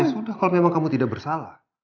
ya sudah kalau memang kamu tidak bersalah